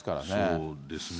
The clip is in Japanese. そうですね。